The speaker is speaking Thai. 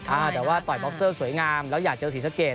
อ่าแต่ว่าต่อยบ็อกเซอร์สวยงามแล้วอยากเจอศรีสะเกด